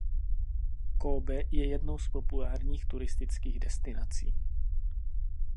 Kóbe je jednou z populárních turistických destinací.